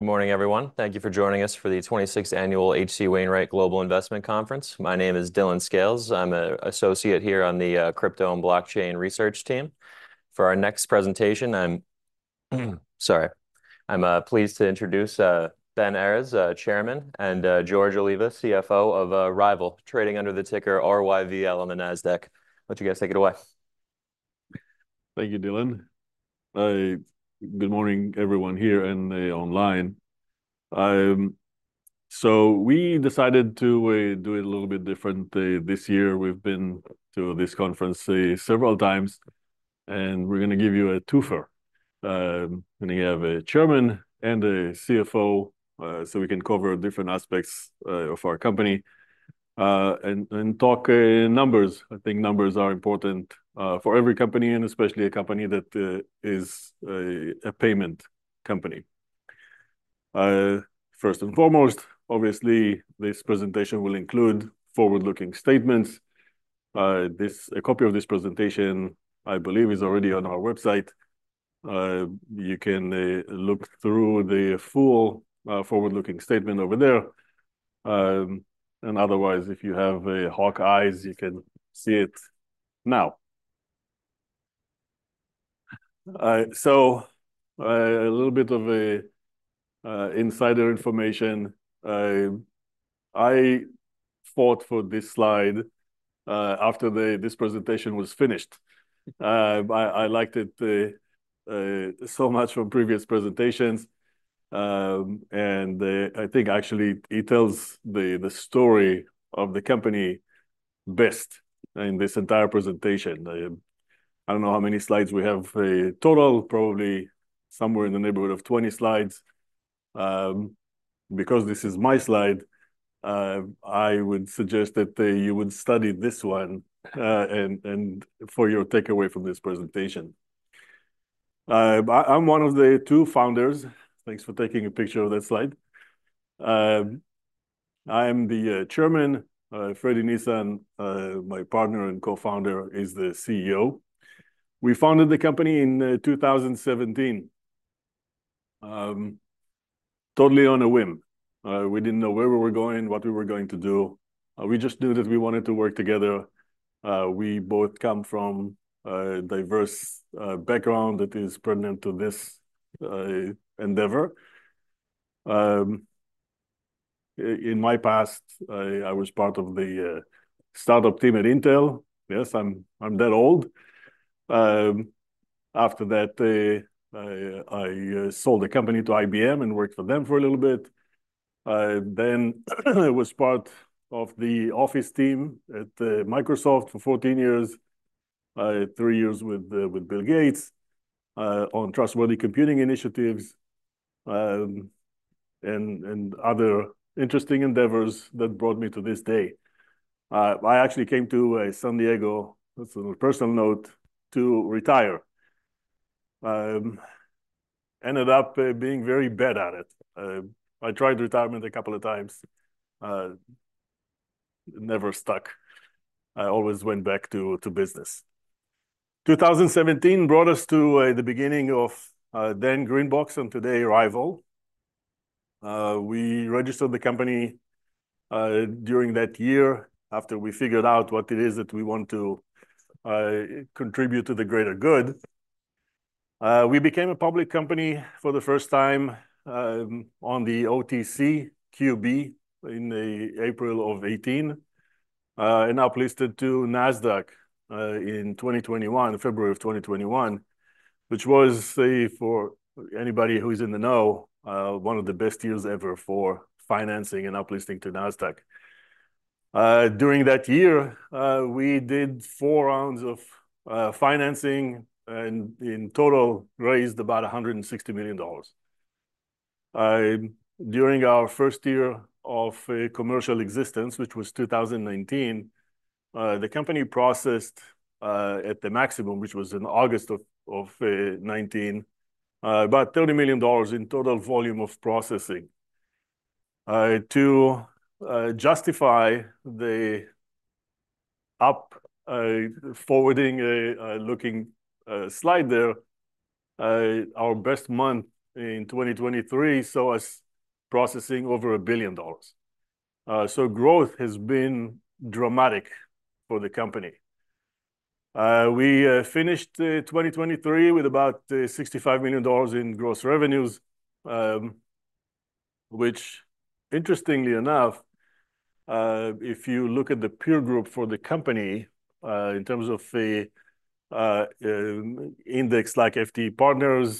Good morning, everyone. Thank you for joining us for the twenty-sixth Annual H.C. Wainwright Global Investment Conference. My name is Dylan Scales. I'm an associate here on the Crypto and Blockchain research team. For our next presentation, I'm pleased to introduce Ben Errez, Chairman, and George Oliva, CFO of Ryvyl, trading under the ticker RYVYL on the Nasdaq. Let you guys take it away. Thank you, Dylan. Good morning, everyone here and online, so we decided to do it a little bit different this year. We've been to this conference, say, several times, and we're going to give you a twofer, and you have a chairman and a CFO, so we can cover different aspects of our company and talk numbers. I think numbers are important for every company, and especially a company that is a payment company. First and foremost, obviously, this presentation will include forward-looking statements. A copy of this presentation, I believe, is already on our website. You can look through the full forward-looking statement over there, and otherwise, if you have hawk eyes, you can see it now. So, a little bit of insider information. I fought for this slide after this presentation was finished. I liked it so much from previous presentations, and I think actually it tells the story of the company best in this entire presentation. I don't know how many slides we have total, probably somewhere in the neighborhood of 20 slides. Because this is my slide, I would suggest that you would study this one and for your takeaway from this presentation. I'm one of the two founders. Thanks for taking a picture of that slide. I am the chairman. Fredy Nissan, my partner and co-founder, is the CEO. We founded the company in 2017, totally on a whim. We didn't know where we were going, what we were going to do. We just knew that we wanted to work together. We both come from a diverse background that is pertinent to this endeavor. In my past, I was part of the startup team at Intel. Yes, I'm that old. After that, I sold the company to IBM and worked for them for a little bit. Then, I was part of the office team at Microsoft for 14 years, three years with Bill Gates on Trustworthy Computing initiatives, and other interesting endeavors that brought me to this day. I actually came to San Diego, on a personal note, to retire. Ended up being very bad at it. I tried retirement a couple of times, never stuck. I always went back to business. 2017 brought us to the beginning of then GreenBox, and today, RYVYL. We registered the company during that year after we figured out what it is that we want to contribute to the greater good. We became a public company for the first time on the OTCQB in April of 2018, and uplisted to Nasdaq in 2021, February of 2021, which was for anybody who is in the know one of the best years ever for financing and uplisting to Nasdaq. During that year, we did four rounds of financing, and in total raised about $160 million. During our first year of commercial existence, which was 2019, the company processed, at the maximum, which was in August of 2019, about $30 million in total volume of processing. To justify the forward-looking slide there, our best month in 2023 saw us processing over $1 billion. Growth has been dramatic for the company. We finished 2023 with about $65 million in gross revenues, which, interestingly enough, if you look at the peer group for the company, in terms of an index like FT Partners,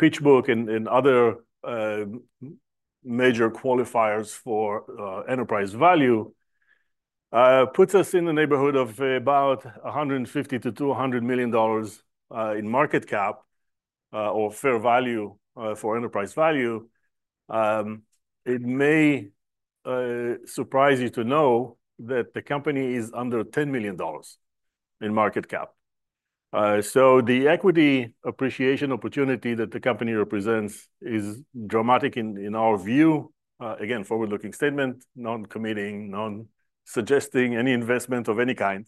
PitchBook, and other major qualifiers for enterprise value, puts us in the neighborhood of about $150-$200 million in market cap or fair value for enterprise value. It may surprise you to know that the company is under $10 million in market cap. So the equity appreciation opportunity that the company represents is dramatic in our view. Again, forward-looking statement, non-committing, non-suggesting any investment of any kind.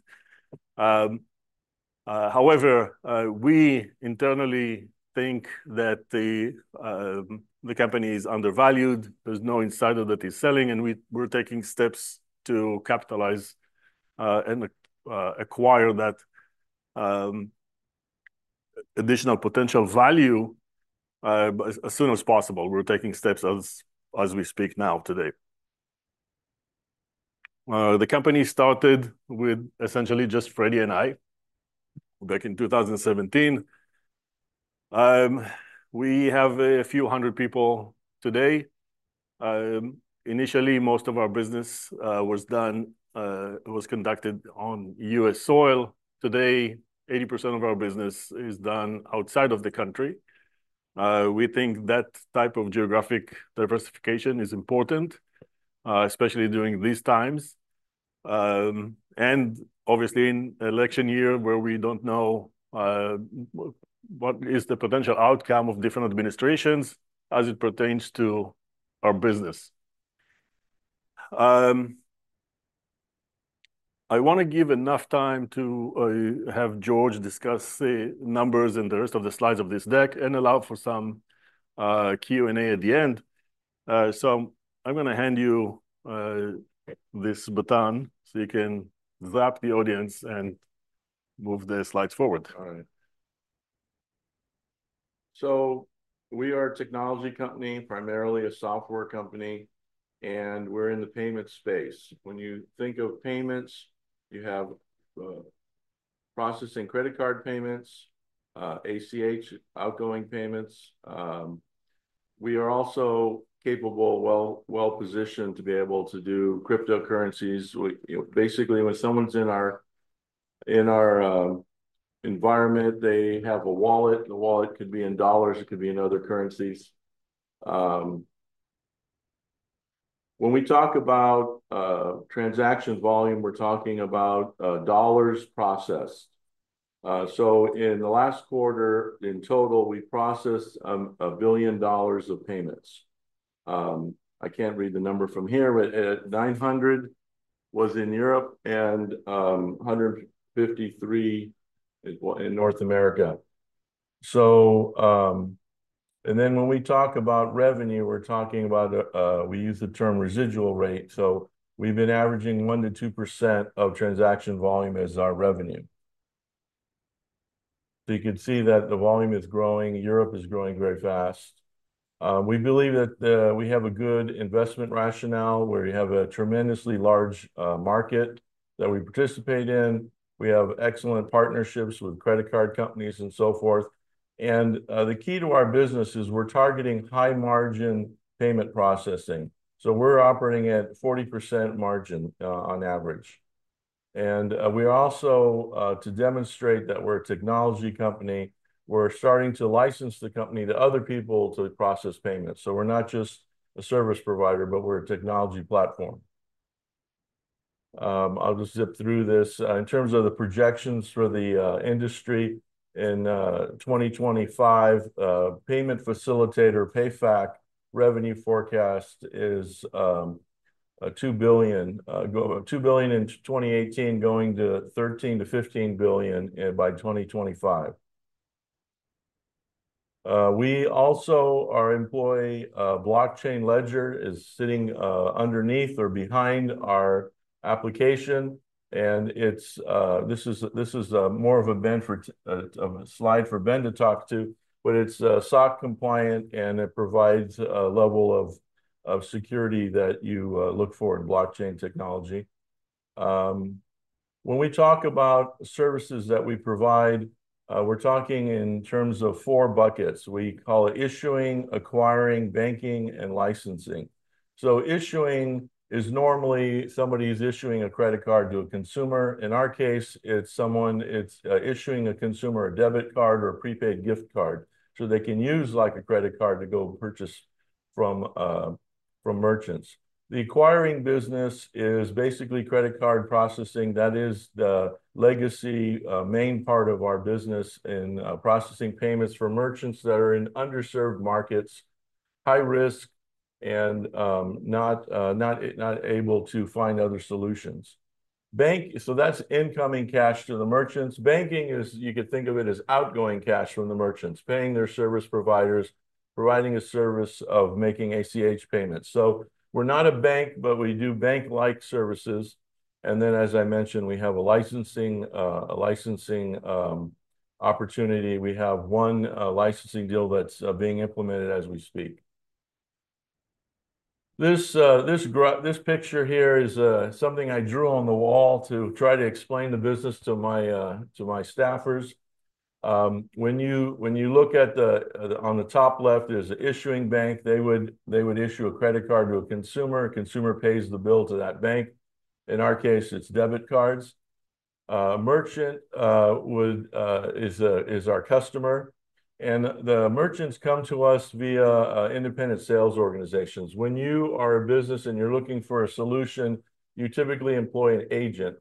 However, we internally think that the company is undervalued. There's no insider that is selling, and we're taking steps to capitalize and acquire that additional potential value as soon as possible. We're taking steps as we speak now today. The company started with essentially just Fredy and I back in 2017. We have a few hundred people today. Initially, most of our business was conducted on U.S. soil. Today, 80% of our business is done outside of the country. We think that type of geographic diversification is important, especially during these times, and obviously, in election year, where we don't know what is the potential outcome of different administrations as it pertains to our business. I want to give enough time to have George discuss the numbers and the rest of the slides of this deck and allow for some Q&A at the end, so I'm gonna hand you this baton, so you can zap the audience and move the slides forward. All right. So we are a technology company, primarily a software company, and we're in the payment space. When you think of payments, you have processing credit card payments, ACH, outgoing payments. We are also capable, well, well-positioned to be able to do cryptocurrencies. Basically, when someone's in our environment, they have a wallet, and the wallet could be in dollars, it could be in other currencies. When we talk about transaction volume, we're talking about dollars processed. So in the last quarter, in total, we processed $1 billion of payments. I can't read the number from here, but $900 million was in Europe and $153 million in North America. So and then when we talk about revenue, we're talking about we use the term residual rate, so we've been averaging 1%-2% of transaction volume as our revenue. So you can see that the volume is growing. Europe is growing very fast. We believe that we have a good investment rationale, where you have a tremendously large market that we participate in. We have excellent partnerships with credit card companies and so forth. And the key to our business is we're targeting high-margin payment processing, so we're operating at 40% margin on average. And we are also to demonstrate that we're a technology company, we're starting to license the company to other people to process payments. So we're not just a service provider, but we're a technology platform. I'll just zip through this. In terms of the projections for the industry in 2025, payment facilitator PayFac revenue forecast is $2 billion in 2018, going to $13-15 billion by 2025. We also, our embedded blockchain ledger is sitting underneath or behind our application, and it's... This is more of a slide for Ben to talk to, but it's SOC compliant, and it provides a level of security that you look for in blockchain technology. When we talk about services that we provide, we're talking in terms of four buckets. We call it issuing, acquiring, banking, and licensing. So issuing is normally somebody is issuing a credit card to a consumer. In our case, it's someone issuing a consumer a debit card or a prepaid gift card, so they can use, like, a credit card to go purchase from merchants. The acquiring business is basically credit card processing. That is the legacy main part of our business in processing payments for merchants that are in underserved markets, high risk, and not able to find other solutions. So that's incoming cash to the merchants. Banking is, you could think of it as outgoing cash from the merchants, paying their service providers, providing a service of making ACH payments. So we're not a bank, but we do bank-like services, and then, as I mentioned, we have a licensing opportunity. We have one licensing deal that's being implemented as we speak. This picture here is something I drew on the wall to try to explain the business to my staffers. When you look at on the top left, there's an issuing bank. They would issue a credit card to a consumer. Consumer pays the bill to that bank. In our case, it's debit cards. Merchant is our customer, and the merchants come to us via independent sales organizations. When you are a business and you're looking for a solution, you typically employ an agent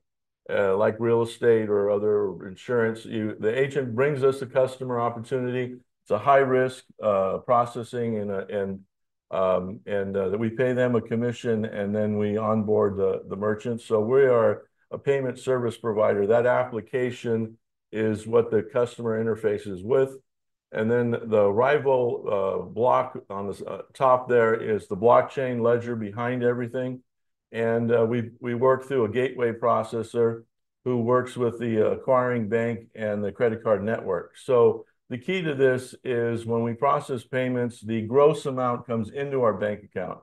like real estate or other insurance. The agent brings us a customer opportunity. It's a high-risk processing and then we pay them a commission, and then we onboard the merchants. We are a payment service provider. That application is what the customer interfaces with, and then the RYVYL blockchain on the top there is the blockchain ledger behind everything. We work through a gateway processor who works with the acquiring bank and the credit card network. The key to this is when we process payments, the gross amount comes into our bank account,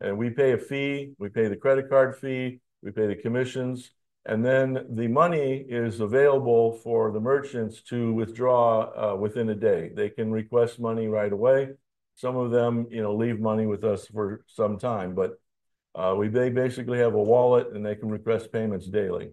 and we pay a fee, we pay the credit card fee, we pay the commissions, and then the money is available for the merchants to withdraw within a day. They can request money right away. Some of them, you know, leave money with us for some time, but they basically have a wallet, and they can request payments daily.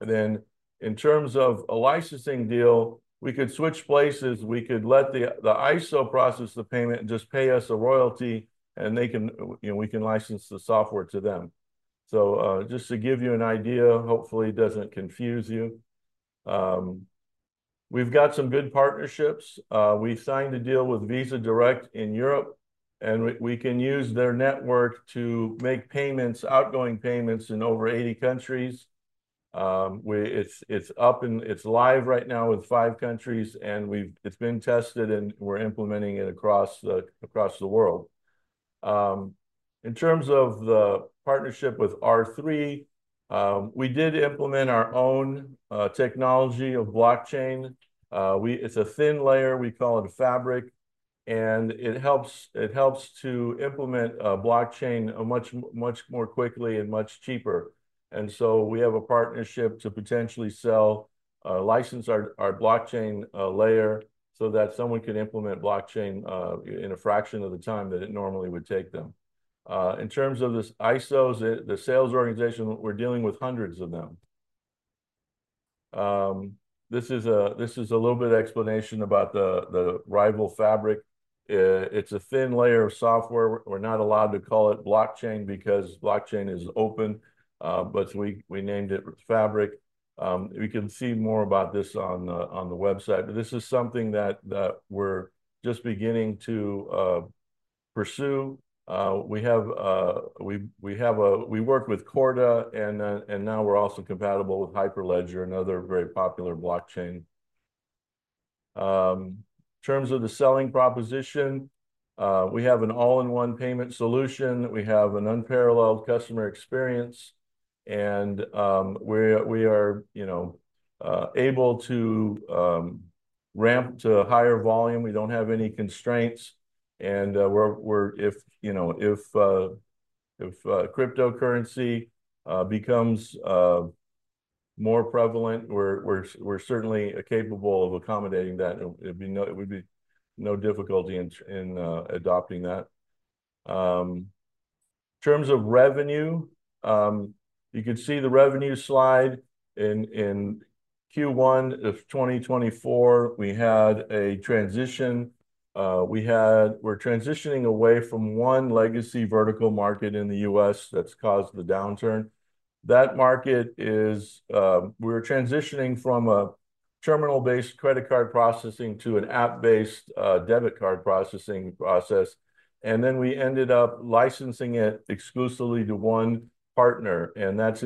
In terms of a licensing deal, we could switch places. We could let the ISO process the payment and just pay us a royalty, and they can, you know, we can license the software to them. So, just to give you an idea, hopefully it doesn't confuse you. We've got some good partnerships. We've signed a deal with Visa Direct in Europe, and we can use their network to make payments, outgoing payments, in over eighty countries. It's up and it's live right now with five countries, and it's been tested, and we're implementing it across the world. In terms of the partnership with R3, we did implement our own technology of blockchain. It's a thin layer. We call it Fabric, and it helps to implement blockchain much more quickly and much cheaper. And so we have a partnership to potentially sell license our blockchain layer so that someone could implement blockchain in a fraction of the time that it normally would take them. In terms of the ISOs, the sales organization, we're dealing with hundreds of them. This is a little bit of explanation about the RYVYL Fabric. It's a thin layer of software. We're not allowed to call it blockchain, because blockchain is open, but we named it Fabric. You can see more about this on the website, but this is something that we're just beginning to pursue. We work with Corda, and now we're also compatible with Hyperledger, another very popular blockchain. In terms of the selling proposition, we have an all-in-one payment solution. We have an unparalleled customer experience, and we're you know able to ramp to a higher volume. We don't have any constraints, and if you know if cryptocurrency becomes more prevalent, we're certainly capable of accommodating that. It would be no difficulty in adopting that. In terms of revenue, you can see the revenue slide in Q1 of 2024. We had a transition. We're transitioning away from one legacy vertical market in the U.S. that's caused the downturn. That market is... We're transitioning from a terminal-based credit card processing to an app-based, debit card processing process, and then we ended up licensing it exclusively to one partner, and that's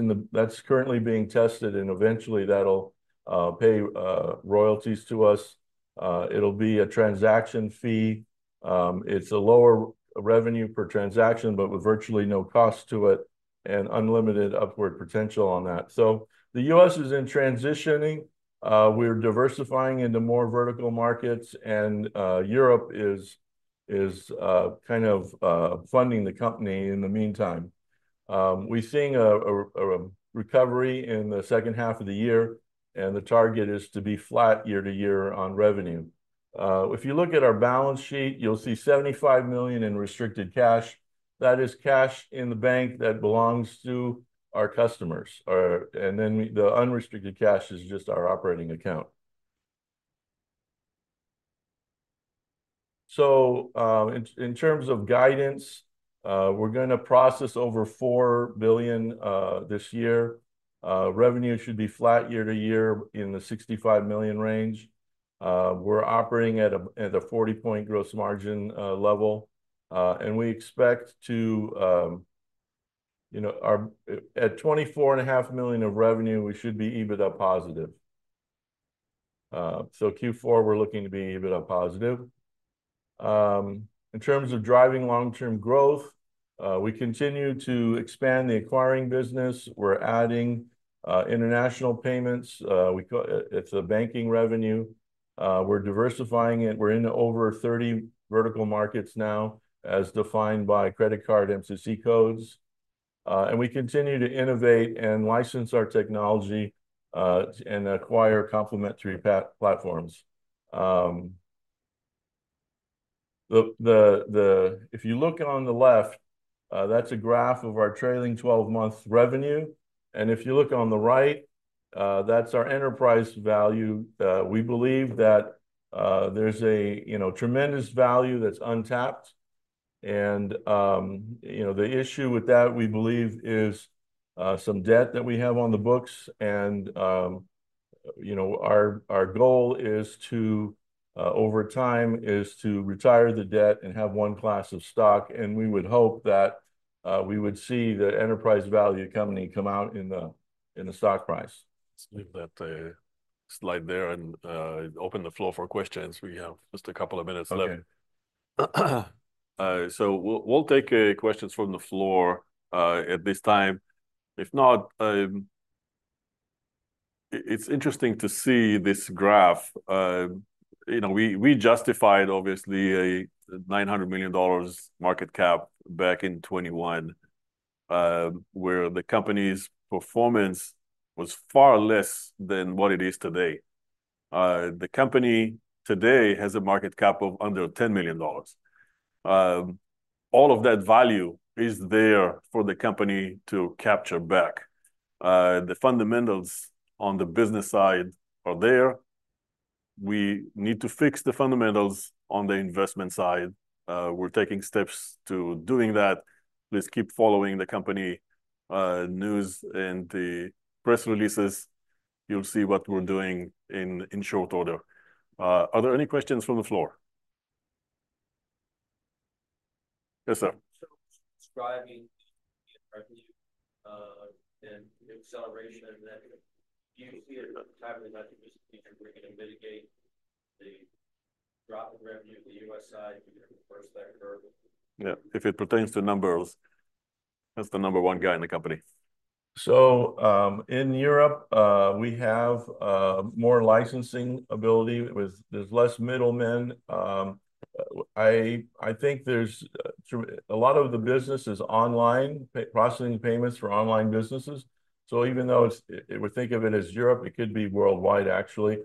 currently being tested, and eventually, that'll pay royalties to us. It'll be a transaction fee. It's a lower revenue per transaction but with virtually no cost to it and unlimited upward potential on that. So the U.S. is in transitioning. We're diversifying into more vertical markets, and Europe is kind of funding the company in the meantime. We're seeing a recovery in the H2 of the year, and the target is to be flat year to year on revenue. If you look at our balance sheet, you'll see $75 million in restricted cash. That is cash in the bank that belongs to our customers. And then the unrestricted cash is just our operating account. So, in terms of guidance, we're gonna process over $4 billion this year. Revenue should be flat year to year in the $65 million range. We're operating at a 40% gross margin level, and we expect to, you know, at $24.5 million of revenue, we should be EBITDA positive. So Q4, we're looking to be EBITDA positive. In terms of driving long-term growth, we continue to expand the acquiring business. We're adding international payments. It's a banking revenue. We're diversifying it. We're in over 30 vertical markets now, as defined by credit card MCC codes, and we continue to innovate and license our technology, and acquire complementary platforms. If you look on the left, that's a graph of our trailing twelve-month revenue, and if you look on the right, that's our enterprise value. We believe that, there's a, you know, tremendous value that's untapped, and, you know, the issue with that, we believe, is, some debt that we have on the books and, you know, our goal is to, over time, is to retire the debt and have one class of stock, and we would hope that, we would see the enterprise value of the company come out in the stock price. Let's leave that slide there and open the floor for questions. We have just a couple of minutes left. Okay. So we'll take questions from the floor at this time. If not, it's interesting to see this graph. You know, we justified, obviously, a $900 million market cap back in 2021, where the company's performance was far less than what it is today. The company today has a market cap of under $10 million. All of that value is there for the company to capture back. The fundamentals on the business side are there. We need to fix the fundamentals on the investment side. We're taking steps to doing that. Please keep following the company news and the press releases. You'll see what we're doing in short order. Are there any questions from the floor? Yes, sir. So describing the revenue, and the acceleration of that, do you see a time when I think we're going to mitigate the drop in revenue on the U.S. side, reverse that curve? Yeah, if it pertains to numbers, that's the number one guy in the company. So, in Europe, we have more licensing ability. There's less middlemen. I think there's a lot of the business is online, processing payments for online businesses. So even though it's, we think of it as Europe, it could be worldwide, actually.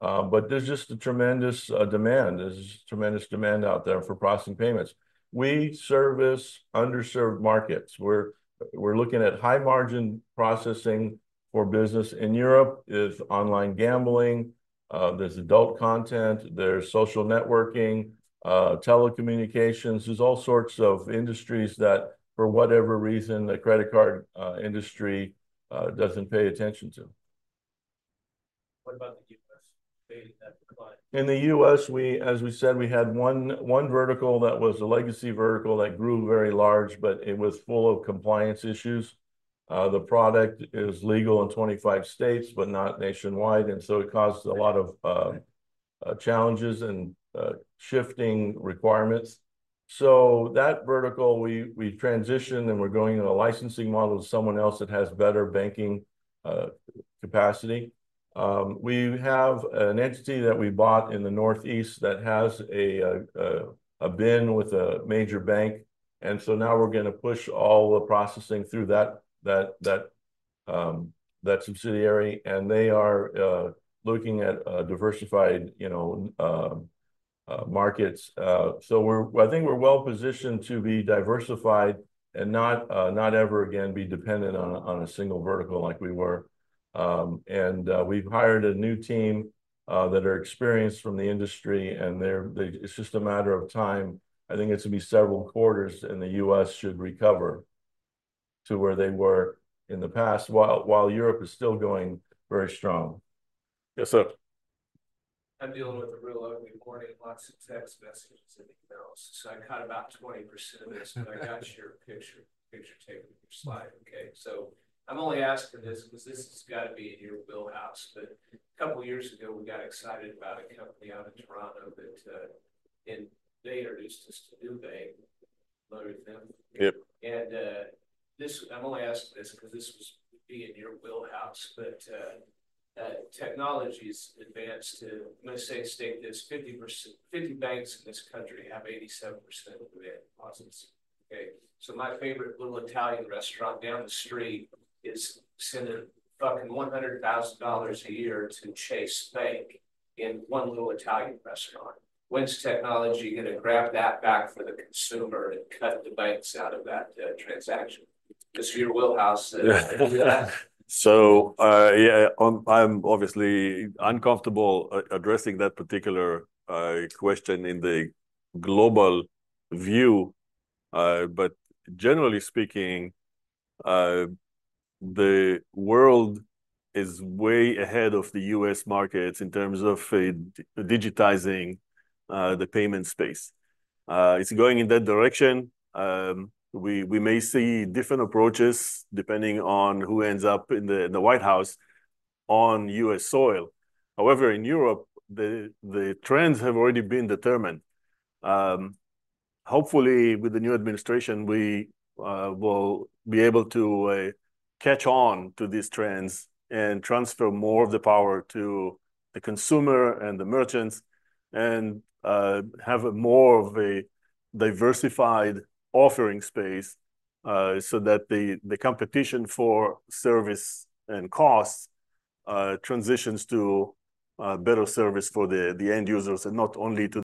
But there's just a tremendous demand. There's tremendous demand out there for processing payments. We service underserved markets. We're looking at high-margin processing for business. In Europe, it's online gambling. There's adult content, there's social networking, telecommunications. There's all sorts of industries that, for whatever reason, the credit card industry doesn't pay attention to. What about the U.S.? They have the client. In the U.S., as we said, we had one vertical that was a legacy vertical that grew very large, but it was full of compliance issues. The product is legal in 25 states, but not nationwide, and so it caused a lot of challenges and shifting requirements. So that vertical, we transitioned, and we're going to a licensing model to someone else that has better banking capacity. We have an entity that we bought in the Northeast that has a BIN with a major bank, and so now we're going to push all the processing through that subsidiary, and they are looking at diversified, you know, markets. I think we're well positioned to be diversified and not ever again be dependent on a single vertical like we were, and we've hired a new team that are experienced from the industry, and they're, it's just a matter of time. I think it's going to be several quarters, and the U.S. should recover to where they were in the past, while Europe is still going very strong. Yes, sir. I'm dealing with a really ugly morning, lots of text messages and emails, so I cut about 20% of this - but I got your picture, picture taken with your slide. Okay, so I'm only asking this 'cause this has got to be in your wheelhouse. But a couple of years ago, we got excited about a company out of Toronto that and they introduced us to Nubank, loaded them. Yep. I'm only asking this because this would be in your wheelhouse, but technology's advanced to, let's say, state there's 50 banks in this country have 87% of the deposit. Okay, so my favorite little Italian restaurant down the street is sending fucking $100,000 a year to Chase Bank in one little Italian restaurant. When's technology going to grab that back for the consumer and cut the banks out of that transaction? It's your wheelhouse. Yeah, I'm obviously uncomfortable addressing that particular question in the global view. But generally speaking, the world is way ahead of the U.S. markets in terms of digitizing the payment space. It's going in that direction. We may see different approaches depending on who ends up in the White House on U.S. soil. However, in Europe, the trends have already been determined. Hopefully, with the new administration, we will be able to catch on to these trends and transfer more of the power to the consumer and the merchants and have more of a diversified offering space, so that the competition for service and cost transitions to better service for the end users, and not only to the-